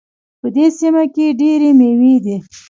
په دې سیمه کې ډېري میوې دي